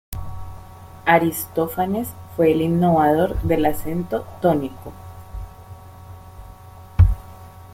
Aristófanes fue el innovador del acento tónico.